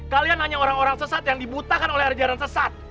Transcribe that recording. kalian hanya orang orang sesat yang dibutakan oleh ajaran sesat